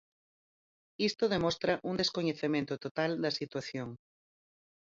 Isto demostra un descoñecemento total da situación.